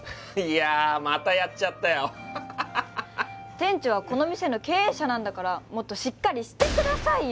店長はこの店の経営者なんだからもっとしっかりしてくださいよ！